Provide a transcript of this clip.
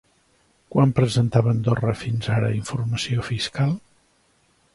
Quan presentava Andorra fins ara informació fiscal?